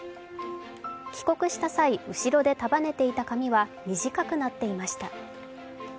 帰国した際、後ろで束ねていた髪は短くなっていました。